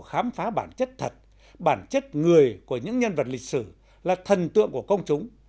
khám phá bản chất thật bản chất người của những nhân vật lịch sử là thần tượng của công chúng